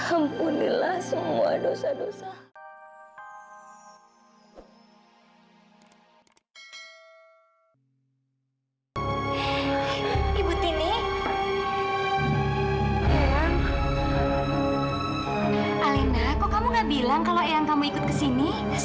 ampunilah semua dosa dosa